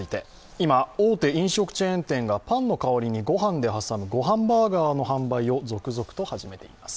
今、大手飲食チェーン店がパンの代わりに御飯で挟むごはんバーガーの販売を続々と始めています。